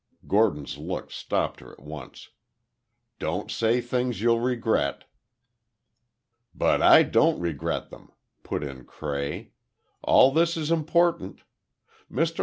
Gordon's look stopped her at once. "Don't say things you'll regret." "But I don't regret them," put in Cray. "All this is important. Mr.